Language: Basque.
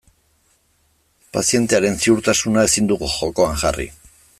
Pazientearen ziurtasuna ezin dugu jokoan jarri.